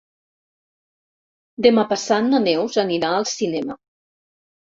Demà passat na Neus anirà al cinema.